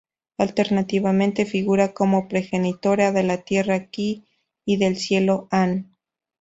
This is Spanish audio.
Alternativamente figura como progenitora de la tierra Ki, y del cielo An.